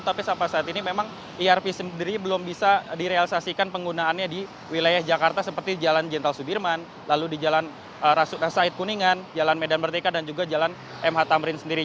tapi sampai saat ini memang irp sendiri belum bisa direalisasikan penggunaannya di wilayah jakarta seperti jalan jenderal sudirman lalu di jalan said kuningan jalan medan merdeka dan juga jalan mh tamrin sendiri